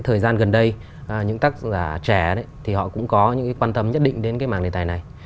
thời gian gần đây những tác giả trẻ thì họ cũng có những cái quan tâm nhất định đến cái mạng đề tài này